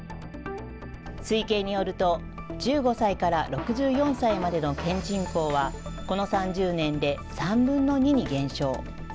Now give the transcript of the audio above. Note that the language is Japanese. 推計によると、１５歳から６４歳までの県人口はこの３０年で３分の２に減少。